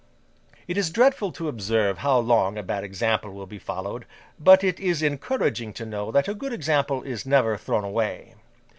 It is dreadful to observe how long a bad example will be followed; but, it is encouraging to know that a good example is never thrown away.